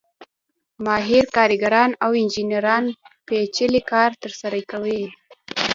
ماهر کارګران او انجینران پېچلی کار ترسره کوي